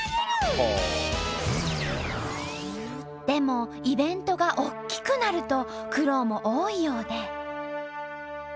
でもイベントが大きくなると苦労も多いようで。